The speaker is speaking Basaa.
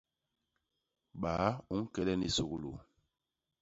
Baa u ñke len i suglu?